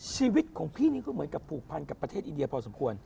ชีวิตของพี่นี่ก็เหมือนกับผูกพันกับประเทศอินเดียพอสมควร